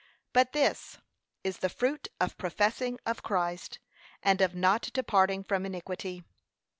But this is the fruit of professing of Christ, and of not departing from iniquity.